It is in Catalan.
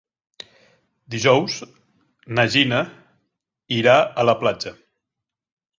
Dijous na Gina irà a la platja.